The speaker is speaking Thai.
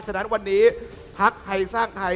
ถือว่าวันนี้พลักษณะอ่านได้